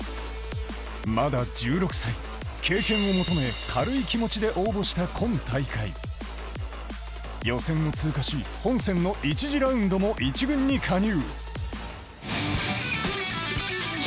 まだ１６歳経験を求め軽い気持ちで応募した今大会予選を通過し本選の１次ラウンドも１軍に加入